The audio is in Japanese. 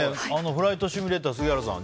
フライトシミュレーター杉原さん